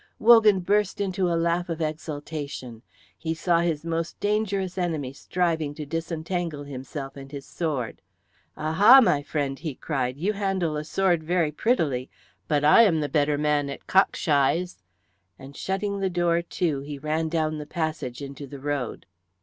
Wogan burst into a laugh of exultation; he saw his most dangerous enemy striving to disentangle himself and his sword. "Aha, my friend," he cried, "you handle a sword very prettily, but I am the better man at cock shies." And shutting the door to be ran down the passage into the road.